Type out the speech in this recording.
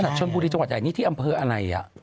ถ้าสมมุติจังหวัดใหญ่นี่ที่อำเภาะอันไหน